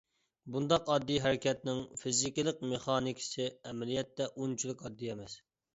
بۇنداق ئاددىي ھەرىكەتنىڭ فىزىكىلىق مېخانىكىسى ئەمەلىيەتتە ئۇنچىلىك ئاددىي ئەمەس.